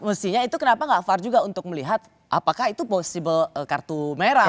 mestinya itu kenapa nggak fair juga untuk melihat apakah itu possible kartu merah